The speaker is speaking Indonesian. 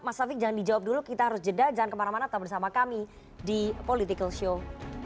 mas taufik jangan dijawab dulu kita harus jeda jangan kemana mana tetap bersama kami di political show